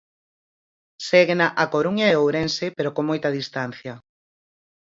Séguena A Coruña e Ourense pero con moita distancia.